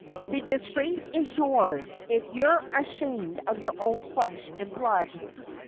The disgrace is yours, if you're ashamed of your own flesh and blood.